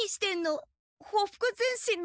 ほふく前進の練習。